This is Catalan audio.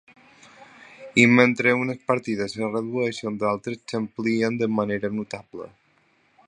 I mentre unes partides es redueixen, d’altres s’amplien de manera notable.